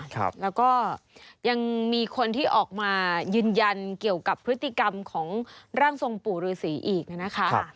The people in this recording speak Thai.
แล้วก็ยังมีคนที่ออกมายืนยันเกี่ยวกับพฤติกรรมของร่างทรงปู่ฤษีอีกนะคะ